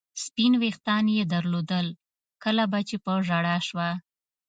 سپین وریښتان یې درلودل، کله به چې په ژړا شوه.